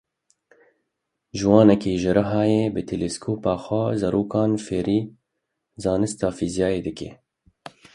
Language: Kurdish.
Ciwanekî ji Rihayê bi teleskopa xwe zarokan fêrî zanista fezayê dike.